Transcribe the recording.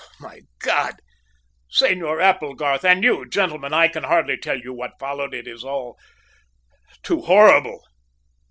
"My God! Senor Applegarth and you, gentlemen, I can hardly tell you what followed. It is all too horrible.